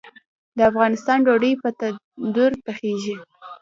د افغانستان ډوډۍ په تندور پخیږي